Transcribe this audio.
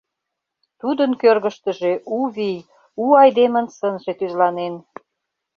Тудын кӧргыштыжӧ у вий, у айдемын сынже тӱзланен.